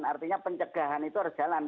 artinya pencegahan itu harus jalan